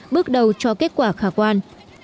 bước đầu cho kết quả khả quan